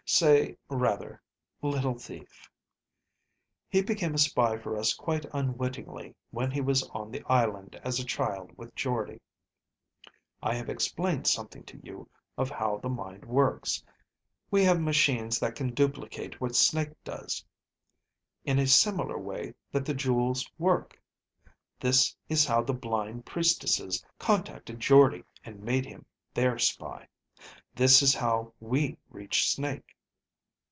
Say, rather, little thief. He became a spy for us quite unwittingly when he was on the island as a child with Jordde. I have explained something to you of how the mind works. We have machines that can duplicate what Snake does in a similar way that the jewels work. This is how the blind priestesses contacted Jordde and made him their spy. This is how we reached Snake.